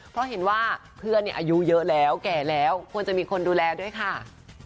เพราะเห็นว่าเพื่อนอายุเยอะแล้วแก่แล้วควรจะมีคนดูแลด้วยค่ะ